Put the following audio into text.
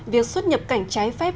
việc xuất nhập cảnh trái phép